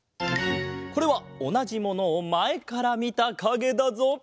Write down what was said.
これはおなじものをまえからみたかげだぞ。